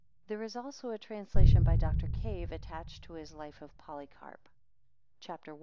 There is also a translation by Dr. Cave attached to his life of Polycarp.] CHAPTER I.